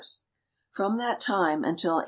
From that time nntil 1<S!)